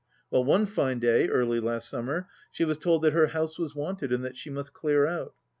Well, one fine day, early last summer, she was told that her house was wanted and that she must clear out.